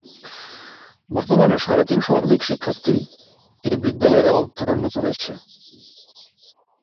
বর্তমানে সাড়ে তিন শতাধিক শিক্ষার্থী এ বিদ্যালয়ে অধ্যয়নরত আছে।